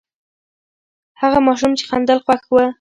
هغه ماشوم چې خندل، خوښ و.